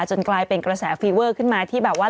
กลายเป็นกระแสฟีเวอร์ขึ้นมาที่แบบว่า